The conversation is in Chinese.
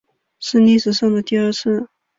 是历史上的第二次